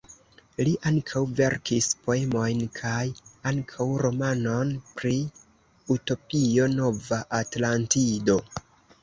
Li ankaŭ verkis poemojn kaj ankaŭ romanon pri utopio, Nova Atlantido.